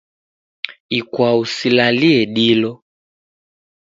Ikwau silale dilo.